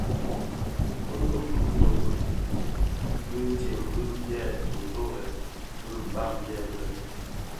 Kiboň ki bitoki bitsem bi byè totorèn bi Mbam byèbi lè: